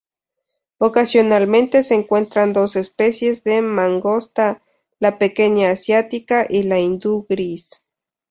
Ocasionalmente se encuentran dos especies de mangosta, la pequeña asiática y la hindú gris.